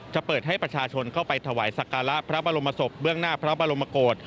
เปิดให้ประชาชนเข้าไปถวายสักการะพระบรมศพเบื้องหน้าพระบรมโกศ